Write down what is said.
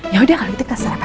yaudah kalo gitu kita sarapan